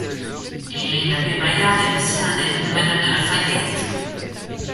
L'abbé Bayard était aussi un ami de Madame de La Fayette.